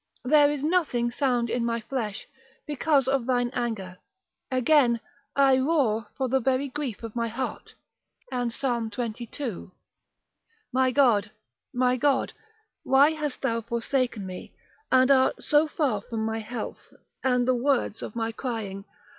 there is nothing sound in my flesh, because of thine anger. Again, I roar for the very grief of my heart: and Psalm xxii. My God, my God, why hast thou forsaken me, and art so far from my health, and the words of my crying?